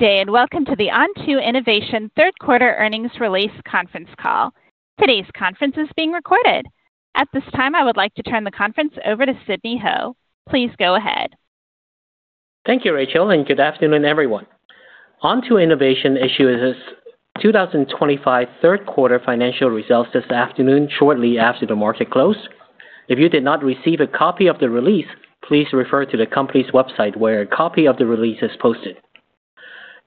Welcome to the Onto Innovation third-quarter earnings release conference call. Today's conference is being recorded. At this time, I would like to turn the conference over to Sidney Ho. Please go ahead. Thank you, Rachel, and good afternoon, everyone. Onto Innovation issued its 2025 third-quarter financial results this afternoon, shortly after the market close. If you did not receive a copy of the release, please refer to the company's website where a copy of the release is posted.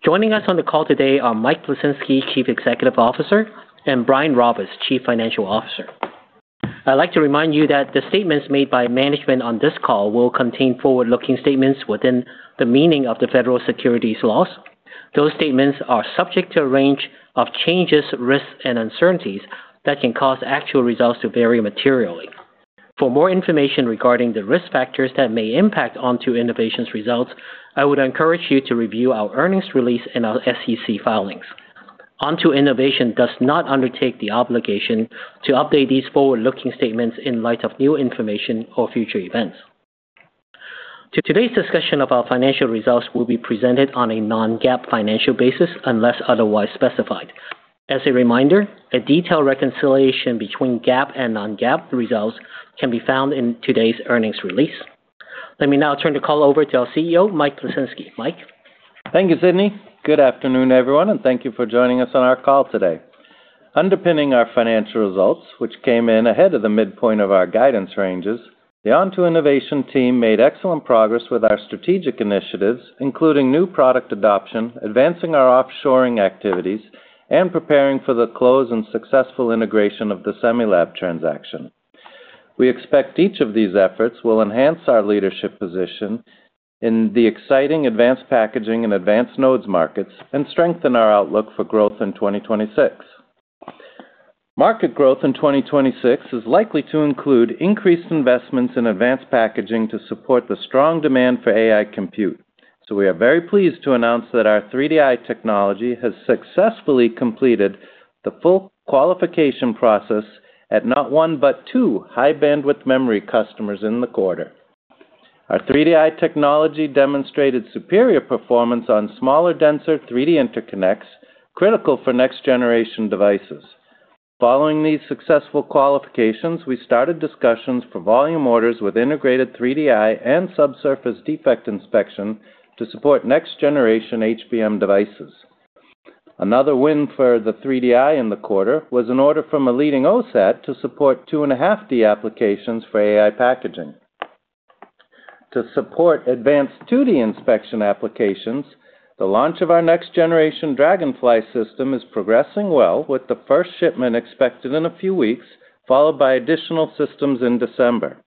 Joining us on the call today are Mike Plisinski, Chief Executive Officer, and Brian Roberts, Chief Financial Officer. I'd like to remind you that the statements made by management on this call will contain forward-looking statements within the meaning of the federal securities laws. Those statements are subject to a range of changes, risks, and uncertainties that can cause actual results to vary materially. For more information regarding the risk factors that may impact Onto Innovation's results, I would encourage you to review our earnings release and our SEC filings. Onto Innovation does not undertake the obligation to update these forward-looking statements in light of new information or future events. Today's discussion of our financial results will be presented on a non-GAAP financial basis unless otherwise specified. As a reminder, a detailed reconciliation between GAAP and non-GAAP results can be found in today's earnings release. Let me now turn the call over to our CEO, Mike Plisinski. Mike. Thank you, Sidney. Good afternoon, everyone, and thank you for joining us on our call today. Underpinning our financial results, which came in ahead of the midpoint of our guidance ranges, the Onto Innovation team made excellent progress with our strategic initiatives, including new product adoption, advancing our offshoring activities, and preparing for the close and successful integration of the Semilab transaction. We expect each of these efforts will enhance our leadership position in the exciting advanced packaging and advanced nodes markets and strengthen our outlook for growth in 2026. Market growth in 2026 is likely to include increased investments in advanced packaging to support the strong demand for AI compute. We are very pleased to announce that our 3DI technology has successfully completed the full qualification process at not one but two high-bandwidth memory customers in the quarter. Our 3DI technology demonstrated superior performance on smaller, denser 3D interconnects critical for next-generation devices. Following these successful qualifications, we started discussions for volume orders with integrated 3DI and subsurface defect inspection to support next-generation HBM devices. Another win for the 3DI in the quarter was an order from a leading OSAT to support two-and-a-half D applications for AI packaging. To support advanced 2D inspection applications, the launch of our next-generation DragonFly system is progressing well, with the first shipment expected in a few weeks, followed by additional systems in December.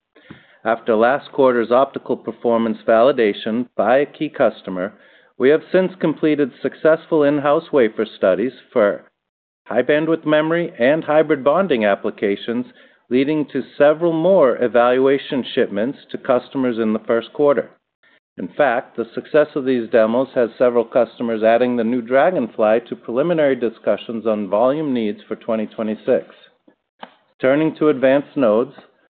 After last quarter's optical performance validation by a key customer, we have since completed successful in-house wafer studies for high-bandwidth memory and hybrid bonding applications, leading to several more evaluation shipments to customers in the first quarter. In fact, the success of these demos has several customers adding the new DragonFly to preliminary discussions on volume needs for 2026. Turning to advanced nodes,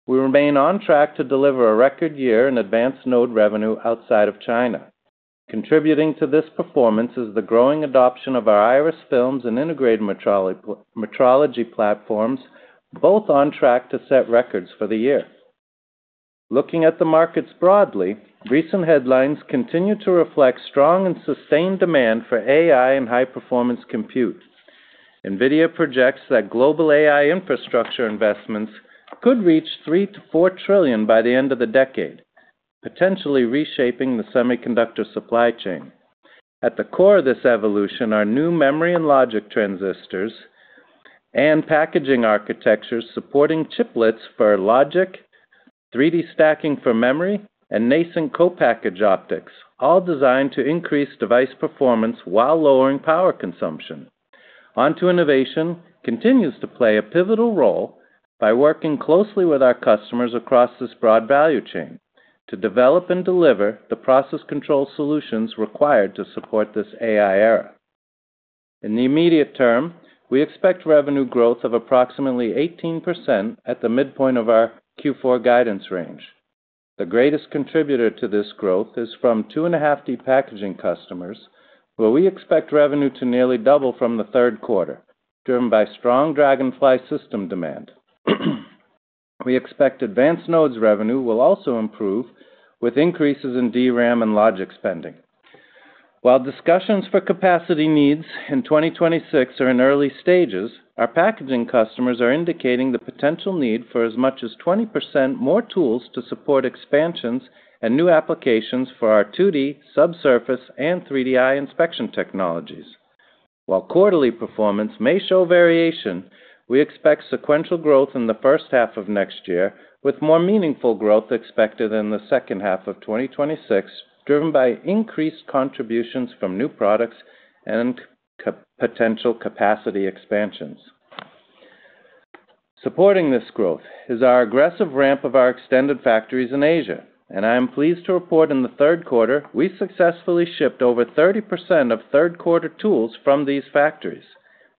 we remain on track to deliver a record year in advanced node revenue outside of China. Contributing to this performance is the growing adoption of our Iris Films and integrated metrology platforms, both on track to set records for the year. Looking at the markets broadly, recent headlines continue to reflect strong and sustained demand for AI and high-performance compute. NVIDIA projects that global AI infrastructure investments could reach $3 trillion-$4 trillion by the end of the decade, potentially reshaping the semiconductor supply chain. At the core of this evolution are new memory and logic transistors. Packaging architectures supporting chiplets for logic, 3D stacking for memory, and nascent co-package optics, all designed to increase device performance while lowering power consumption. Onto Innovation continues to play a pivotal role by working closely with our customers across this broad value chain to develop and deliver the process control solutions required to support this AI era. In the immediate term, we expect revenue growth of approximately 18% at the midpoint of our Q4 guidance range. The greatest contributor to this growth is from 2.5D packaging customers, where we expect revenue to nearly double from the third quarter, driven by strong DragonFly system demand. We expect advanced nodes revenue will also improve with increases in DRAM and logic spending. While discussions for capacity needs in 2026 are in early stages, our packaging customers are indicating the potential need for as much as 20% more tools to support expansions and new applications for our 2D, subsurface, and 3DI inspection technologies. While quarterly performance may show variation, we expect sequential growth in the first half of next year, with more meaningful growth expected in the second half of 2026, driven by increased contributions from new products and potential capacity expansions. Supporting this growth is our aggressive ramp of our extended factories in Asia, and I am pleased to report in the third quarter we successfully shipped over 30% of third-quarter tools from these factories.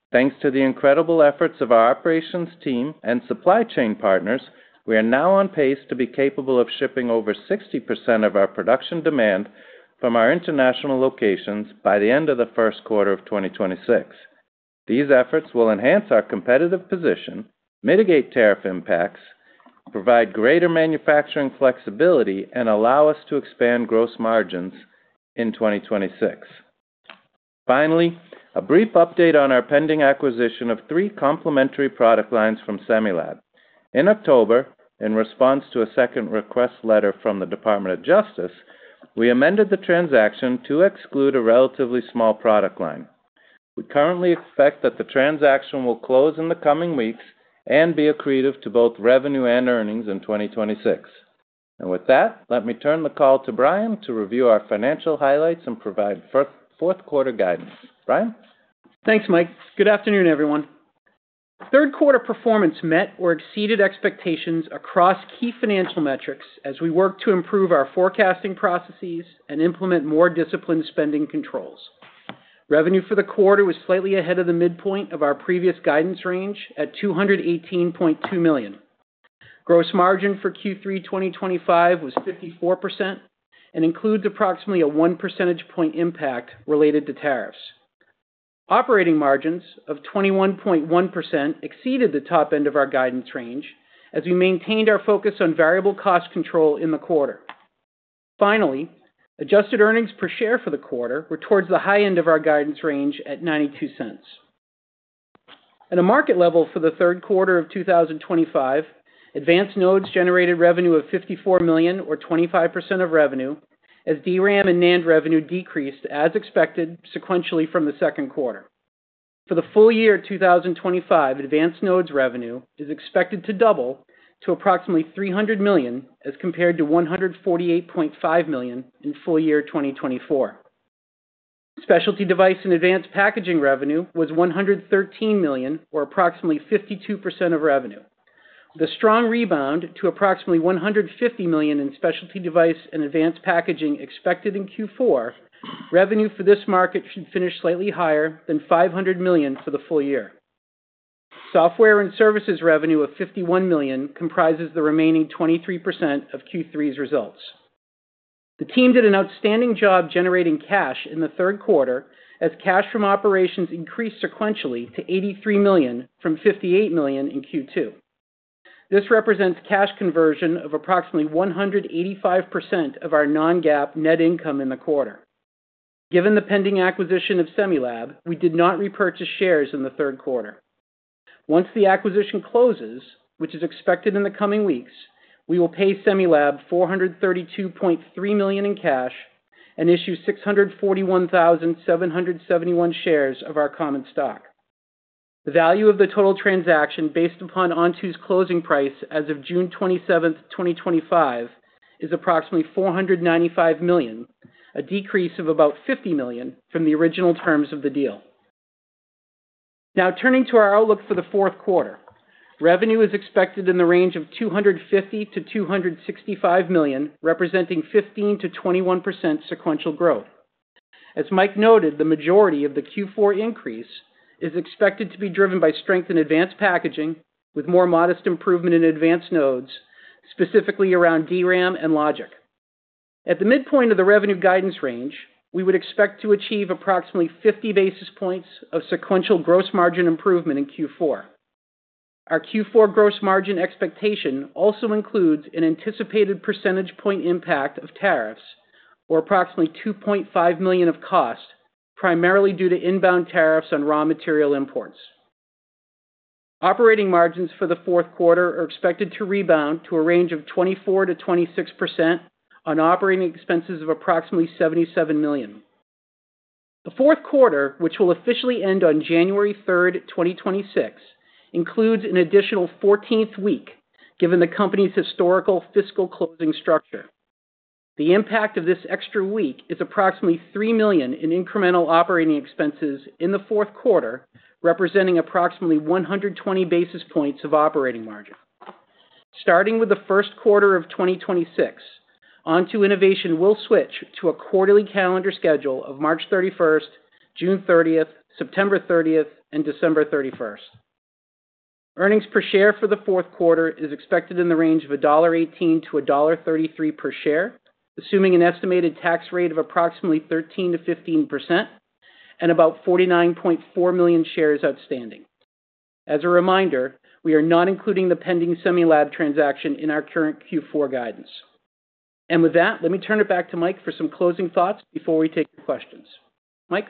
Thanks to the incredible efforts of our operations team and supply chain partners, we are now on pace to be capable of shipping over 60% of our production demand from our international locations by the end of the first quarter of 2026. These efforts will enhance our competitive position, mitigate tariff impacts, provide greater manufacturing flexibility, and allow us to expand gross margins in 2026. Finally, a brief update on our pending acquisition of three complementary product lines from Semilab. In October, in response to a second request letter from the Department of Justice, we amended the transaction to exclude a relatively small product line. We currently expect that the transaction will close in the coming weeks and be accretive to both revenue and earnings in 2026. With that, let me turn the call to Brian to review our financial highlights and provide fourth-quarter guidance. Brian. Thanks, Mike. Good afternoon, everyone. Third-quarter performance met or exceeded expectations across key financial metrics as we worked to improve our forecasting processes and implement more disciplined spending controls. Revenue for the quarter was slightly ahead of the midpoint of our previous guidance range at $218.2 million. Gross margin for Q3 2025 was 54% and includes approximately a one percentage point impact related to tariffs. Operating margins of 21.1% exceeded the top end of our guidance range as we maintained our focus on variable cost control in the quarter. Finally, adjusted earnings per share for the quarter were towards the high end of our guidance range at $0.92. At a market level for the third quarter of 2025, advanced nodes generated revenue of $54 million, or 25% of revenue, as DRAM and NAND revenue decreased as expected sequentially from the second quarter. For the full year 2025, advanced nodes revenue is expected to double to approximately $300 million as compared to $148.5 million in full year 2024. Specialty device and advanced packaging revenue was $113 million, or approximately 52% of revenue. With a strong rebound to approximately $150 million in specialty device and advanced packaging expected in Q4, revenue for this market should finish slightly higher than $500 million for the full year. Software and services revenue of $51 million comprises the remaining 23% of Q3's results. The team did an outstanding job generating cash in the third quarter as cash from operations increased sequentially to $83 million from $58 million in Q2. This represents cash conversion of approximately 185% of our non-GAAP net income in the quarter. Given the pending acquisition of Semilab, we did not repurchase shares in the third quarter. Once the acquisition closes, which is expected in the coming weeks, we will pay Semilab $432.3 million in cash and issue 641,771 shares of our common stock. The value of the total transaction based upon Onto's closing price as of June 27th, 2025, is approximately $495 million, a decrease of about $50 million from the original terms of the deal. Now, turning to our outlook for the fourth quarter, revenue is expected in the range of $250 million-$265 million, representing 15%-21% sequential growth. As Mike noted, the majority of the Q4 increase is expected to be driven by strength in advanced packaging with more modest improvement in advanced nodes, specifically around DRAM and logic. At the midpoint of the revenue guidance range, we would expect to achieve approximately 50 basis points of sequential gross margin improvement in Q4. Our Q4 gross margin expectation also includes an anticipated percentage point impact of tariffs, or approximately $2.5 million of cost, primarily due to inbound tariffs on raw material imports. Operating margins for the fourth quarter are expected to rebound to a range of 24%-26% on operating expenses of approximately $77 million. The fourth quarter, which will officially end on January 3rd, 2026, includes an additional 14th week given the company's historical fiscal closing structure. The impact of this extra week is approximately $3 million in incremental operating expenses in the fourth quarter, representing approximately 120 basis points of operating margin. Starting with the first quarter of 2026, Onto Innovation will switch to a quarterly calendar schedule of March 31st, June 30th, September 30th, and December 31st. Earnings per share for the fourth quarter is expected in the range of $1.18-$1.33 per share, assuming an estimated tax rate of approximately 13%-15%. About 49.4 million shares outstanding. As a reminder, we are not including the pending Semilab transaction in our current Q4 guidance. With that, let me turn it back to Mike for some closing thoughts before we take your questions. Mike.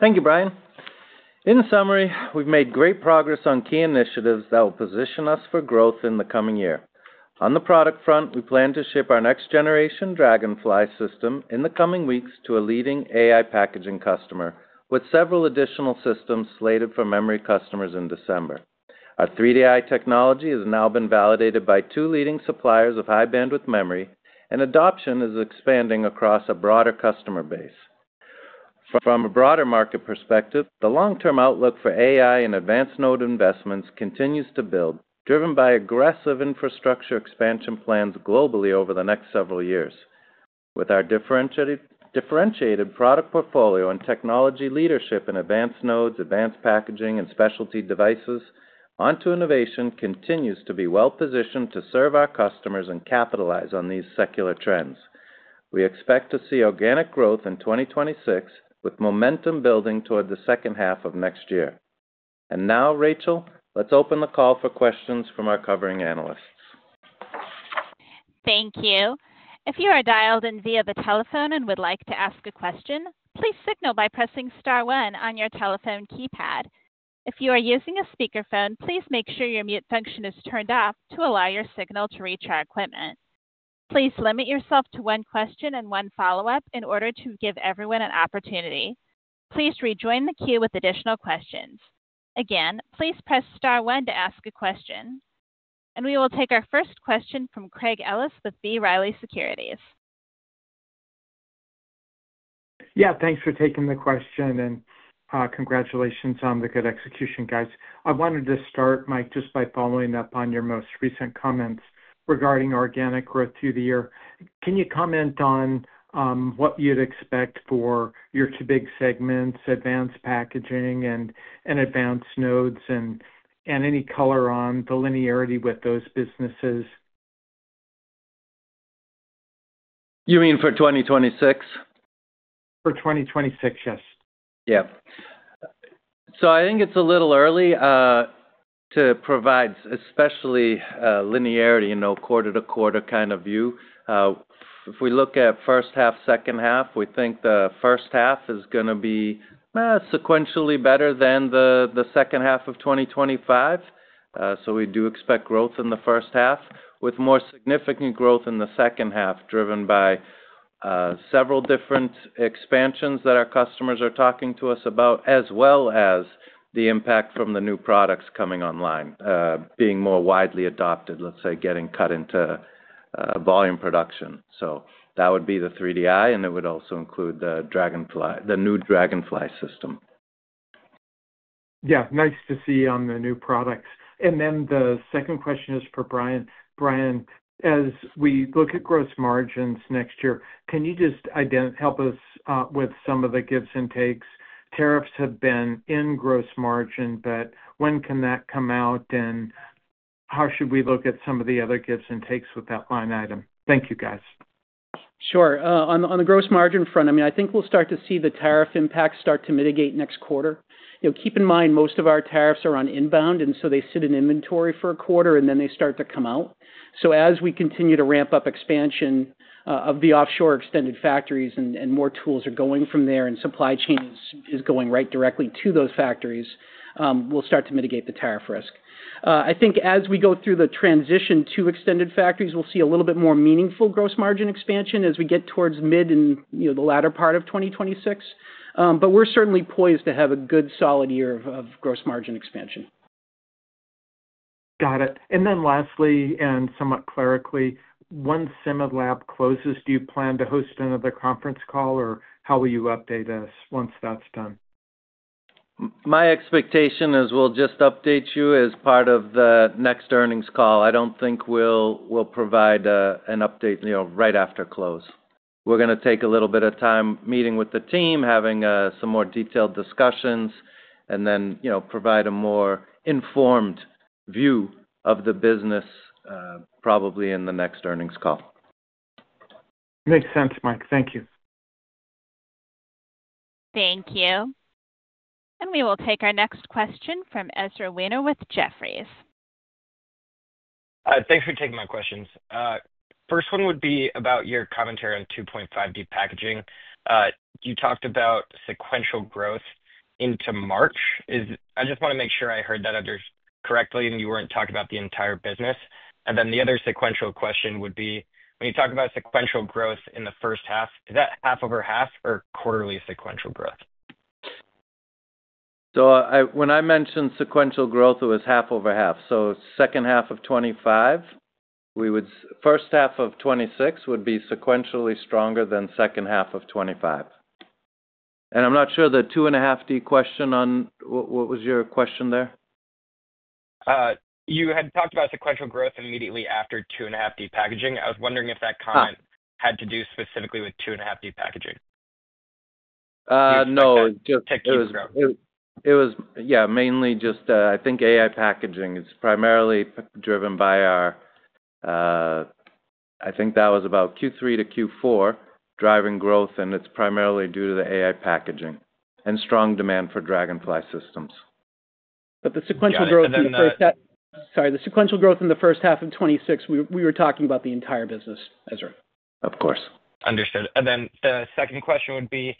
Thank you, Brian. In summary, we've made great progress on key initiatives that will position us for growth in the coming year. On the product front, we plan to ship our next-generation DragonFly system in the coming weeks to a leading AI packaging customer with several additional systems slated for memory customers in December. Our 3DI technology has now been validated by two leading suppliers of high-bandwidth memory, and adoption is expanding across a broader customer base. From a broader market perspective, the long-term outlook for AI and advanced node investments continues to build, driven by aggressive infrastructure expansion plans globally over the next several years. With our differentiated product portfolio and technology leadership in advanced nodes, advanced packaging, and specialty devices, Onto Innovation continues to be well-positioned to serve our customers and capitalize on these secular trends. We expect to see organic growth in 2026, with momentum building toward the second half of next year. Rachel, let's open the call for questions from our covering analysts. Thank you. If you are dialed in via the telephone and would like to ask a question, please signal by pressing star one on your telephone keypad. If you are using a speakerphone, please make sure your mute function is turned off to allow your signal to reach our equipment. Please limit yourself to one question and one follow-up in order to give everyone an opportunity. Please rejoin the queue with additional questions. Again, please press star one to ask a question. We will take our first question from Craig Ellis with B. Riley Securities. Yeah, thanks for taking the question, and congratulations on the good execution, guys. I wanted to start, Mike, just by following up on your most recent comments regarding organic growth through the year. Can you comment on what you'd expect for your two big segments, advanced packaging and advanced nodes, and any color on the linearity with those businesses? You mean for 2026? For 2026, yes. Yeah. I think it's a little early to provide especially linearity, quarter to quarter kind of view. If we look at first half, second half, we think the first half is going to be sequentially better than the second half of 2025. We do expect growth in the first half, with more significant growth in the second half driven by several different expansions that our customers are talking to us about, as well as the impact from the new products coming online, being more widely adopted, let's say, getting cut into volume production. That would be the 3DI, and it would also include the new DragonFly system. Yeah, nice to see you on the new products. The second question is for Brian. Brian, as we look at gross margins next year, can you just help us with some of the gives and takes? Tariffs have been in gross margin, but when can that come out, and how should we look at some of the other gives and takes with that line item? Thank you, guys. Sure. On the gross margin front, I mean, I think we'll start to see the tariff impacts start to mitigate next quarter. Keep in mind, most of our tariffs are on inbound, and so they sit in inventory for a quarter, and then they start to come out. As we continue to ramp up expansion of the offshore extended factories and more tools are going from there and supply chains is going right directly to those factories, we'll start to mitigate the tariff risk. I think as we go through the transition to extended factories, we'll see a little bit more meaningful gross margin expansion as we get towards mid and the latter part of 2026. We're certainly poised to have a good solid year of gross margin expansion. Got it. Lastly, and somewhat clerically, once Semilab closes, do you plan to host another conference call, or how will you update us once that's done? My expectation is we'll just update you as part of the next earnings call. I don't think we'll provide an update right after close. We're going to take a little bit of time meeting with the team, having some more detailed discussions, and then provide a more informed view of the business. Probably in the next earnings call. Makes sense, Mike. Thank you. Thank you. We will take our next question from Ezra Weener with Jefferies. Thanks for taking my questions. First one would be about your commentary on 2.5D packaging. You talked about sequential growth into March. I just want to make sure I heard that correctly and you weren't talking about the entire business. The other sequential question would be, when you talk about sequential growth in the first half, is that half over half or quarterly sequential growth? When I mentioned sequential growth, it was half over half. Second half of 2025. First half of 2026 would be sequentially stronger than second half of 2025. I'm not sure the 2.5D question on what was your question there? You had talked about sequential growth immediately after 2.5D packaging. I was wondering if that comment had to do specifically with 2.5D packaging. No, just. Yeah, mainly just I think AI packaging. It's primarily driven by our, I think that was about Q3 to Q4 driving growth, and it's primarily due to the AI packaging and strong demand for DragonFly systems. The sequential growth in the first half. Sorry, the sequential growth in the first half of 2026, we were talking about the entire business, Ezra. Of course. Understood. The second question would be,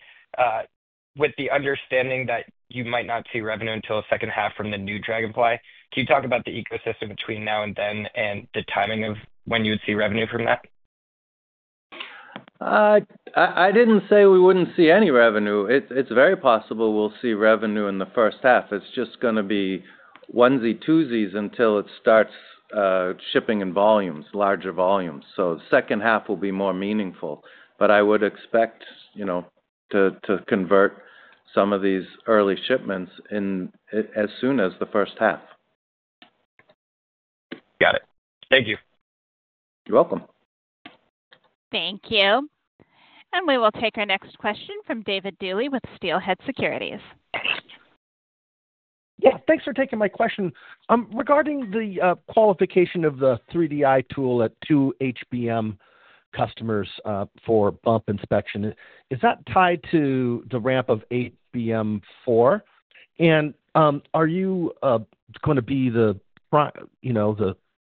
with the understanding that you might not see revenue until the second half from the new DragonFly, can you talk about the ecosystem between now and then and the timing of when you would see revenue from that? I didn't say we wouldn't see any revenue. It's very possible we'll see revenue in the first half. It's just going to be onesies, twosies until it starts shipping in larger volumes. The second half will be more meaningful. I would expect to convert some of these early shipments as soon as the first half. Got it. Thank you. You're welcome. Thank you. We will take our next question from David Dooley with Steelhead Securities. Yeah, thanks for taking my question. Regarding the qualification of the 3DI tool at two HBM customers for bump inspection, is that tied to the ramp of HBM4? Are you going to be the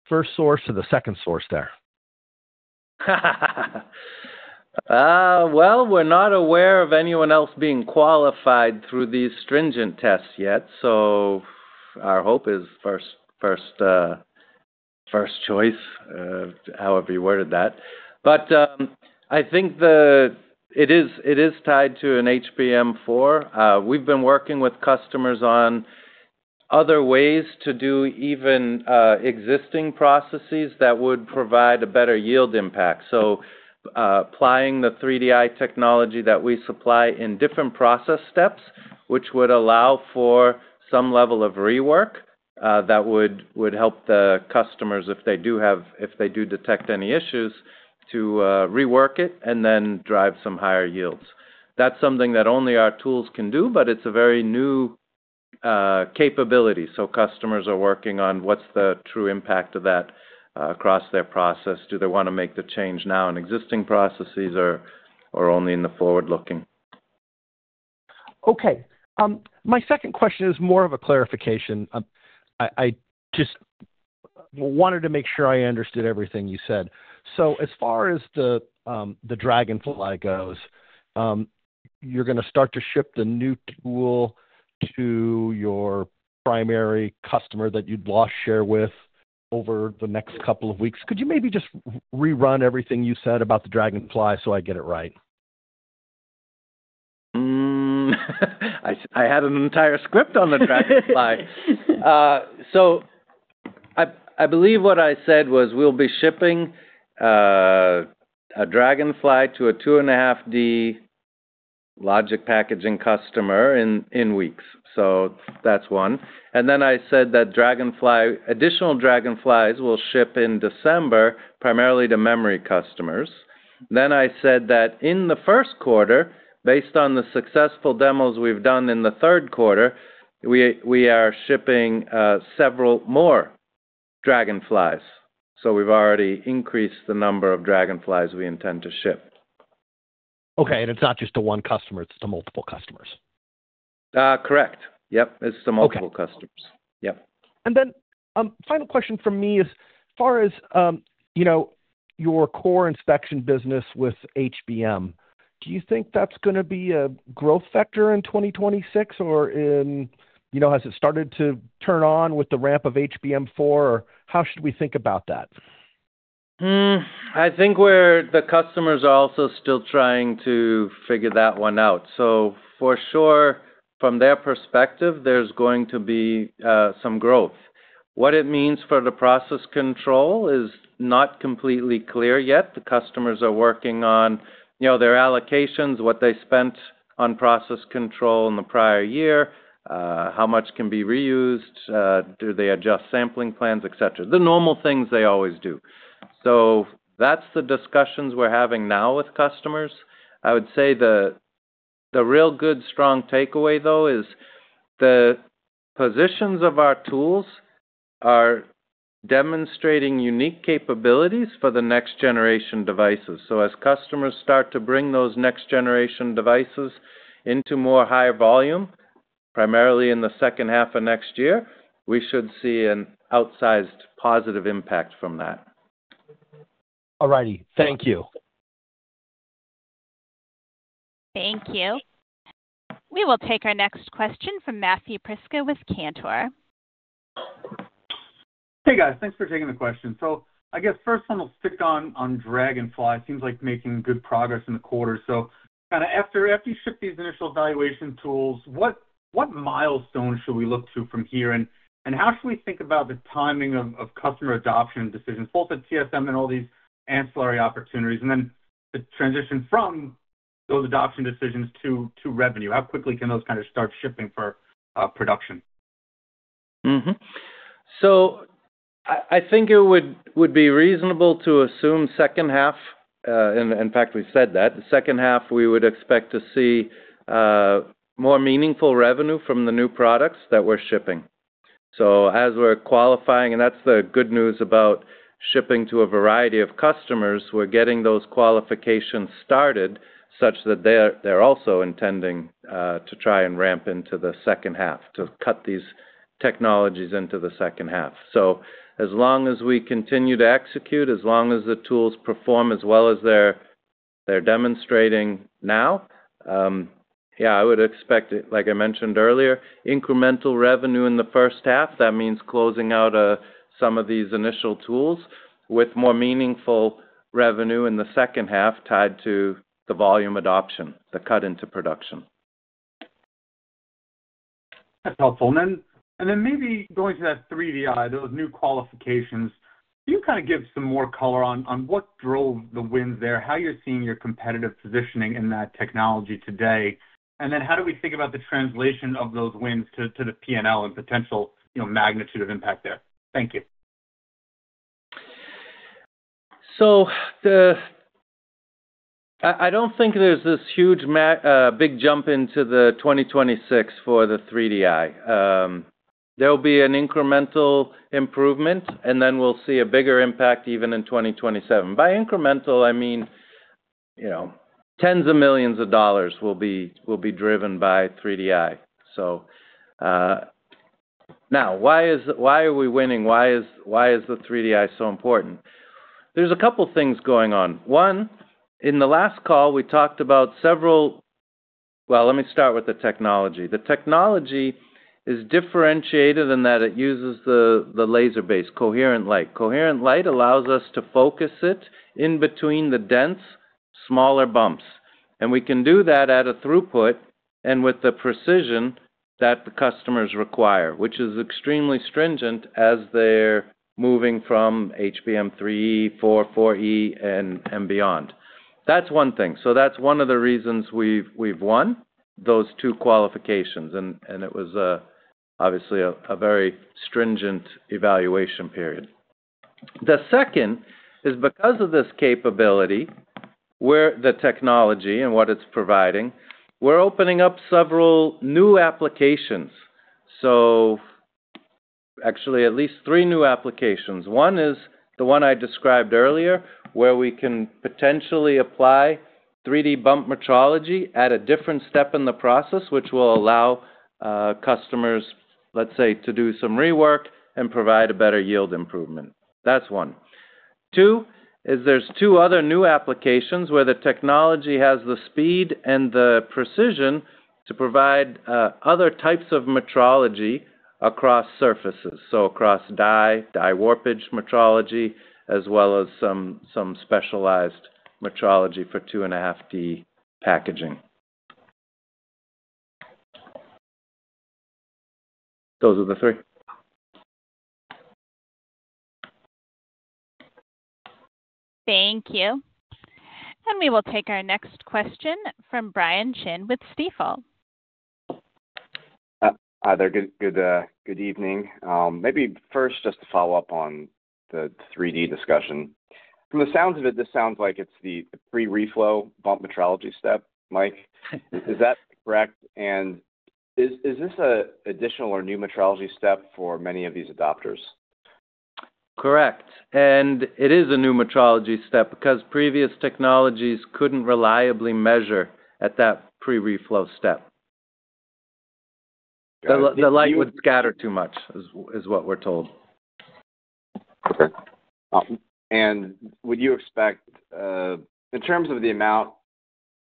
first source or the second source there? We're not aware of anyone else being qualified through these stringent tests yet. Our hope is first choice, however you worded that. I think it is tied to an HBM4. We've been working with customers on other ways to do even existing processes that would provide a better yield impact. Applying the 3DI technology that we supply in different process steps, which would allow for some level of rework that would help the customers if they do detect any issues to rework it and then drive some higher yields. That's something that only our tools can do, but it's a very new capability. Customers are working on what's the true impact of that across their process. Do they want to make the change now in existing processes or only in the forward-looking? Okay. My second question is more of a clarification. I just wanted to make sure I understood everything you said. As far as the DragonFly goes, you're going to start to ship the new tool to your primary customer that you'd lost share with over the next couple of weeks. Could you maybe just rerun everything you said about the DragonFly so I get it right? I had an entire script on the DragonFly. I believe what I said was we'll be shipping a DragonFly to a 2.5D logic packaging customer in weeks. That's one. I said that additional DragonFlys will ship in December, primarily to memory customers. I said that in the first quarter, based on the successful demos we've done in the third quarter, we are shipping several more DragonFlys. We've already increased the number of DragonFlys we intend to ship. Okay. It is not just to one customer, it is to multiple customers. Correct. Yep. It's to multiple customers. Yep. The final question for me is, as far as your core inspection business with HBM, do you think that's going to be a growth factor in 2026, or has it started to turn on with the ramp of HBM4, or how should we think about that? I think the customers are also still trying to figure that one out. For sure, from their perspective, there's going to be some growth. What it means for the process control is not completely clear yet. The customers are working on their allocations, what they spent on process control in the prior year, how much can be reused, do they adjust sampling plans, etc. The normal things they always do. That's the discussions we're having now with customers. I would say the real good strong takeaway, though, is the positions of our tools are demonstrating unique capabilities for the next generation devices. As customers start to bring those next generation devices into more higher volume, primarily in the second half of next year, we should see an outsized positive impact from that. All righty. Thank you. Thank you. We will take our next question from Matthew Prisco with Cantor. Hey, guys. Thanks for taking the question. I guess first one will stick on DragonFly. It seems like making good progress in the quarter. After you ship these initial evaluation tools, what milestones should we look to from here, and how should we think about the timing of customer adoption decisions, both at TSMC and all these ancillary opportunities, and then the transition from those adoption decisions to revenue? How quickly can those kind of start shipping for production? I think it would be reasonable to assume second half. In fact, we said that. The second half, we would expect to see more meaningful revenue from the new products that we're shipping. As we're qualifying, and that's the good news about shipping to a variety of customers, we're getting those qualifications started such that they're also intending to try and ramp into the second half, to cut these technologies into the second half. As long as we continue to execute, as long as the tools perform as well as they're demonstrating now, I would expect, like I mentioned earlier, incremental revenue in the first half. That means closing out some of these initial tools with more meaningful revenue in the second half tied to the volume adoption, the cut into production. That's helpful. Maybe going to that 3DI, those new qualifications, can you kind of give some more color on what drove the wins there, how you're seeing your competitive positioning in that technology today, and then how do we think about the translation of those wins to the P&L and potential magnitude of impact there? Thank you. I don't think there's this huge big jump into 2026 for the 3DI. There will be an incremental improvement, and then we'll see a bigger impact even in 2027. By incremental, I mean tens of millions of dollars will be driven by 3DI. Now, why are we winning? Why is the 3DI so important? There's a couple of things going on. In the last call, we talked about several. Let me start with the technology. The technology is differentiated in that it uses the laser-based Coherent light. Coherent light allows us to focus it in between the dense, smaller bumps. We can do that at a throughput and with the precision that the customers require, which is extremely stringent as they're moving from HBM3E, 4, 4E, and beyond. That's one thing. That's one of the reasons we've won those two qualifications. It was obviously a very stringent evaluation period. The second is because of this capability, where the technology and what it is providing, we are opening up several new applications. Actually, at least three new applications. One is the one I described earlier, where we can potentially apply 3D bump metrology at a different step in the process, which will allow customers, let's say, to do some rework and provide a better yield improvement. That is one. Two is there are two other new applications where the technology has the speed and the precision to provide other types of metrology across surfaces. Across die, die warpage metrology, as well as some specialized metrology for 2.5D packaging. Those are the three. Thank you. We will take our next question from Brian Chin with Stifel. Hi there. Good evening. Maybe first just to follow up on the 3D discussion. From the sounds of it, this sounds like it's the pre-reflow bump metrology step, Mike. Is that correct? Is this an additional or new metrology step for many of these adopters? Correct. It is a new metrology step because previous technologies could not reliably measure at that pre-reflow step. The light would scatter too much, is what we are told. Okay. Would you expect, in terms of the amount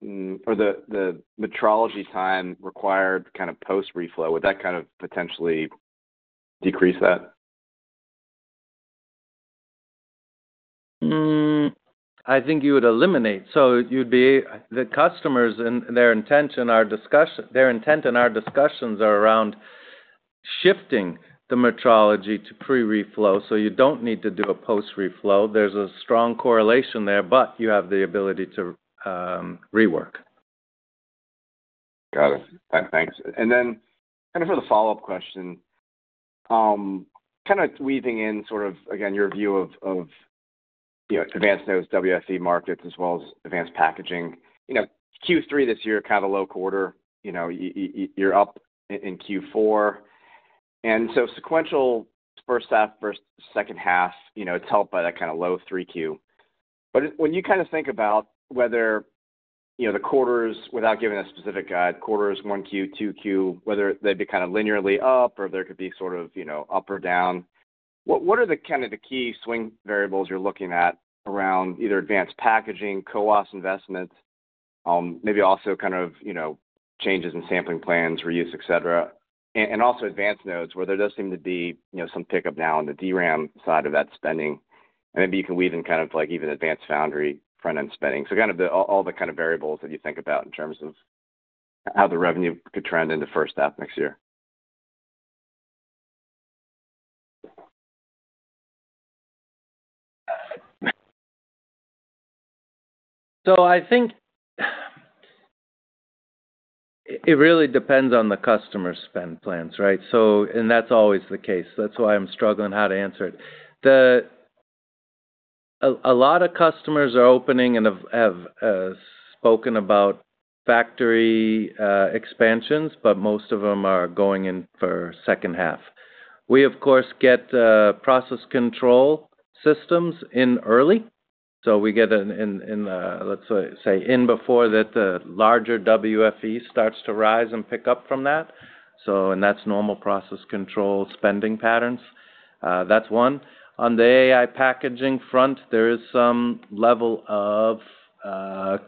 or the metrology time required kind of post-reflow, would that kind of potentially decrease that? I think you would eliminate. The customers and their intent in our discussions are around shifting the metrology to pre-reflow so you do not need to do a post-reflow. There is a strong correlation there, but you have the ability to rework. Got it. Thanks. And then kind of for the follow-up question. Kind of weaving in sort of, again, your view of advanced nodes, WFE markets, as well as advanced packaging. Q3 this year, kind of low quarter. You're up in Q4. And so sequential first half, first second half, it's helped by that kind of low 3Q. But when you kind of think about whether the quarters, without giving a specific guide, quarters, 1Q, 2Q, whether they'd be kind of linearly up or there could be sort of up or down. What are kind of the key swing variables you're looking at around either advanced packaging, Co-op investments, maybe also kind of changes in sampling plans, reuse, etc., and also advanced nodes where there does seem to be some pickup now on the DRAM side of that spending. Maybe you can weave in kind of even advanced foundry front-end spending. So kind of all the kind of variables that you think about in terms of how the revenue could trend into first half next year. I think it really depends on the customer spend plans, right? That is always the case. That is why I am struggling how to answer it. A lot of customers are opening and have spoken about factory expansions, but most of them are going in for second half. We, of course, get process control systems in early. We get in, let us say, in before the larger WFE starts to rise and pick up from that. That is normal process control spending patterns. That is one. On the AI packaging front, there is some level of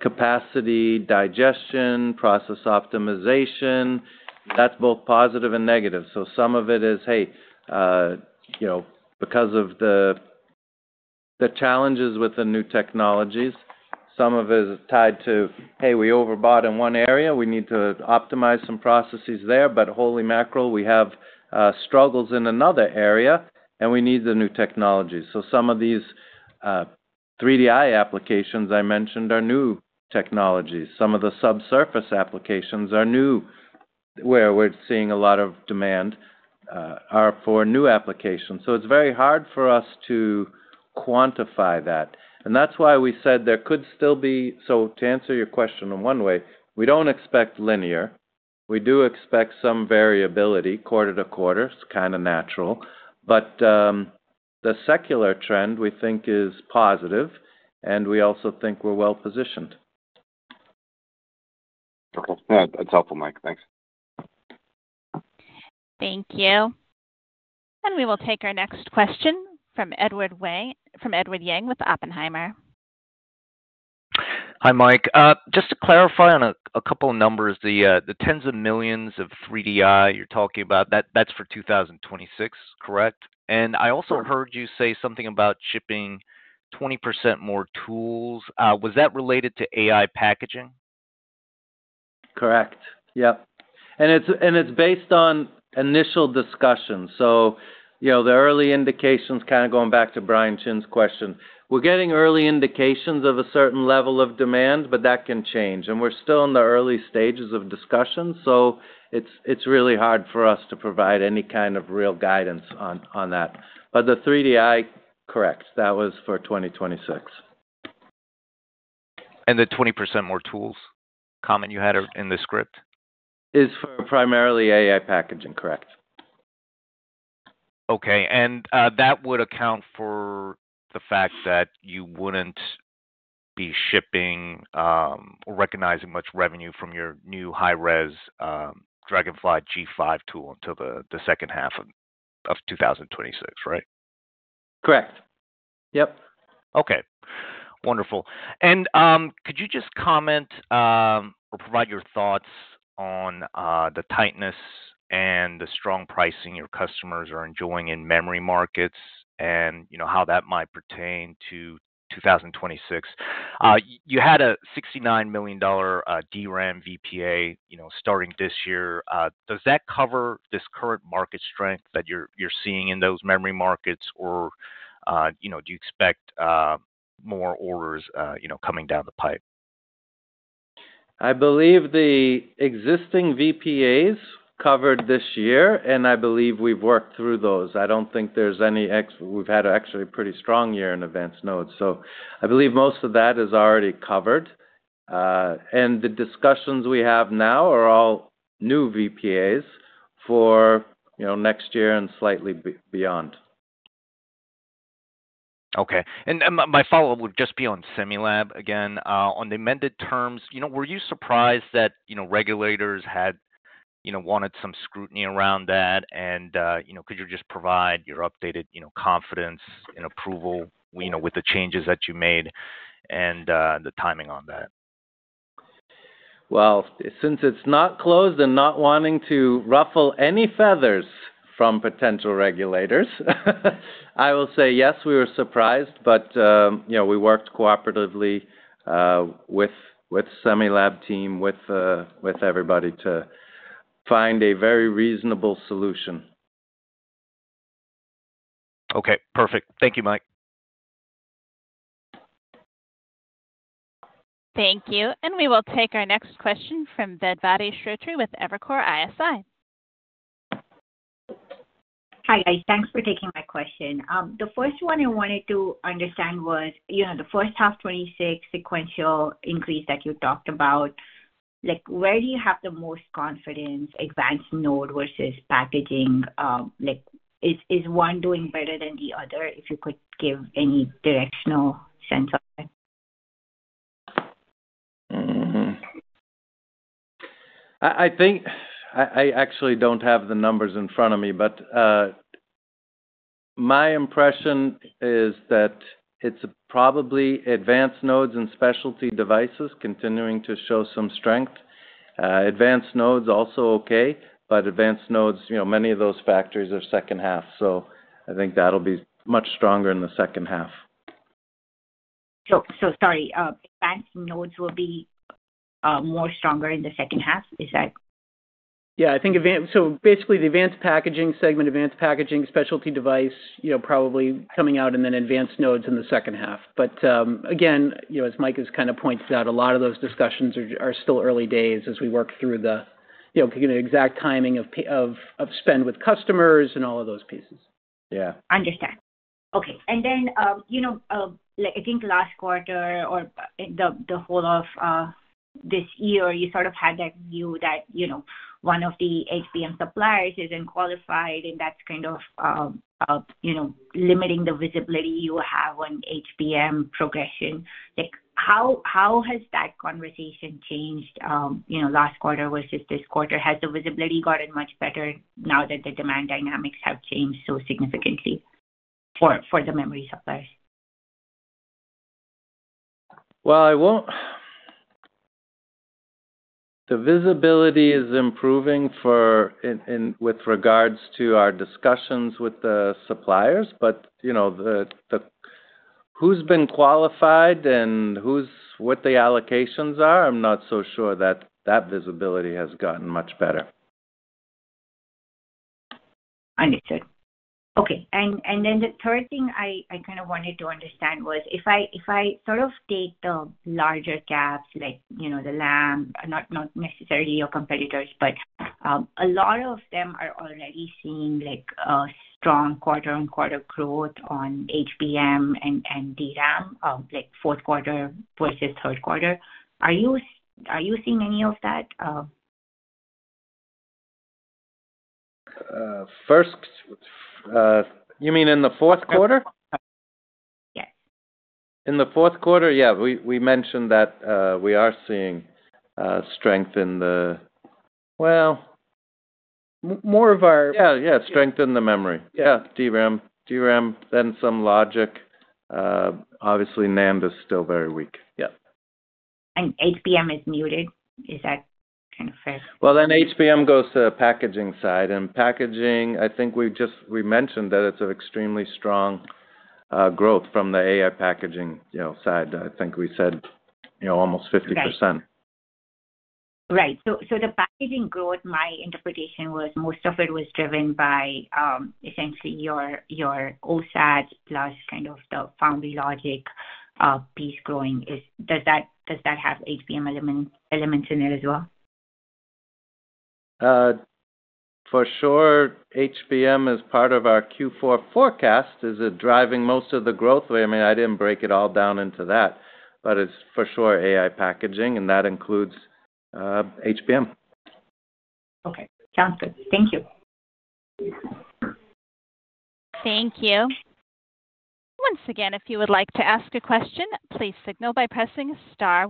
capacity digestion, process optimization. That is both positive and negative. Some of it is, hey, because of the challenges with the new technologies, some of it is tied to, hey, we overbought in one area. We need to optimize some processes there. But holy mackerel, we have struggles in another area, and we need the new technology. Some of these 3DI applications I mentioned are new technologies. Some of the subsurface applications are new. Where we're seeing a lot of demand are for new applications. It's very hard for us to quantify that. That's why we said there could still be—to answer your question in one way, we don't expect linear. We do expect some variability, quarter to quarter. It's kind of natural. The secular trend we think is positive, and we also think we're well positioned. Okay. That's helpful, Mike. Thanks. Thank you. We will take our next question from Edward Yang with Oppenheimer. Hi, Mike. Just to clarify on a couple of numbers, the tens of millions of 3DI you're talking about, that's for 2026, correct? I also heard you say something about shipping 20% more tools. Was that related to AI packaging? Correct. Yep. It is based on initial discussions. The early indications, kind of going back to Brian Chin's question, we are getting early indications of a certain level of demand, but that can change. We are still in the early stages of discussions, so it is really hard for us to provide any kind of real guidance on that. The 3DI, correct, that was for 2026. The 20% more tools comment you had in the script? Is for primarily AI packaging, correct? Okay. That would account for the fact that you wouldn't be shipping or recognizing much revenue from your new high-res DragonFly G5 tool until the second half of 2026, right? Correct. Yep. Okay. Wonderful. Could you just comment or provide your thoughts on the tightness and the strong pricing your customers are enjoying in memory markets and how that might pertain to 2026? You had a $69 million DRAM VPA starting this year. Does that cover this current market strength that you're seeing in those memory markets, or do you expect more orders coming down the pipe? I believe the existing VPAs covered this year, and I believe we've worked through those. I don't think there's any—we've had actually a pretty strong year in advanced nodes. I believe most of that is already covered. The discussions we have now are all new VPAs for next year and slightly beyond. Okay. My follow-up would just be on Semilab again. On the amended terms, were you surprised that regulators had wanted some scrutiny around that? Could you just provide your updated confidence and approval with the changes that you made and the timing on that? Since it's not closed and not wanting to ruffle any feathers from potential regulators, I will say, yes, we were surprised, but we worked cooperatively with the Semilab team, with everybody, to find a very reasonable solution. Okay. Perfect. Thank you, Mike. Thank you. We will take our next question from Vedvadi Srotri with Evercore ISI. Hi, guys. Thanks for taking my question. The first one I wanted to understand was the first half 2026 sequential increase that you talked about. Where do you have the most confidence? Advanced node versus packaging. Is one doing better than the other? If you could give any directional sense of it. I actually do not have the numbers in front of me, but my impression is that it is probably advanced nodes and specialty devices continuing to show some strength. Advanced nodes also okay, but advanced nodes, many of those factories are second half. I think that will be much stronger in the second half. Sorry, advanced nodes will be more stronger in the second half? Is that? Yeah. So basically, the advanced packaging segment, advanced packaging, specialty device probably coming out, and then advanced nodes in the second half. Again, as Mike has kind of pointed out, a lot of those discussions are still early days as we work through the exact timing of spend with customers and all of those pieces. Yeah. Understood. Okay. I think last quarter or the whole of this year, you sort of had that view that one of the HBM suppliers isn't qualified, and that's kind of limiting the visibility you have on HBM progression. How has that conversation changed last quarter versus this quarter? Has the visibility gotten much better now that the demand dynamics have changed so significantly for the memory suppliers? The visibility is improving. With regards to our discussions with the suppliers, but who's been qualified and what the allocations are, I'm not so sure that that visibility has gotten much better. Understood. Okay. The third thing I kind of wanted to understand was if I sort of take the larger gaps, like Lam, not necessarily your competitors, but a lot of them are already seeing a strong quarter-on-quarter growth on HBM and DRAM, like fourth quarter versus third quarter. Are you seeing any of that? You mean in the fourth quarter? Yes. In the fourth quarter, yeah. We mentioned that we are seeing strength in the—more of our—yeah, yeah, strength in the memory. Yeah. DRAM, then some logic. Obviously, NAND is still very weak. Yeah. HBM is muted. Is that kind of fair? HBM goes to the packaging side. Packaging, I think we mentioned that it's an extremely strong growth from the AI packaging side. I think we said almost 50%. Right. So the packaging growth, my interpretation was most of it was driven by essentially your OSAT plus kind of the foundry logic piece growing. Does that have HBM elements in it as well? For sure, HBM is part of our Q4 forecast. Is it driving most of the growth? I mean, I didn't break it all down into that, but it's for sure AI packaging, and that includes HBM. Okay. Sounds good. Thank you. Thank you. Once again, if you would like to ask a question, please signal by pressing star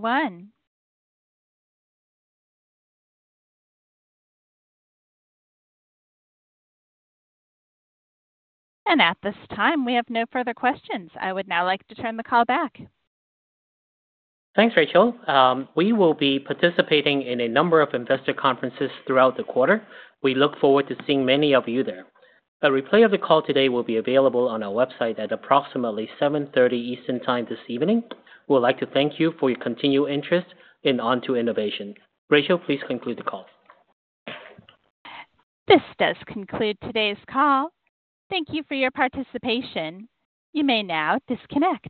one. At this time, we have no further questions. I would now like to turn the call back. Thanks, Rachel. We will be participating in a number of investor conferences throughout the quarter. We look forward to seeing many of you there. A replay of the call today will be available on our website at approximately 7:30 P.M. Eastern Time this evening. We would like to thank you for your continued interest in Onto Innovation. Rachel, please conclude the call. This does conclude today's call. Thank you for your participation. You may now disconnect.